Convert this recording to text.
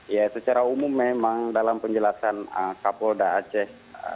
ya secara umum memang dalam penjelasan kapolda aceh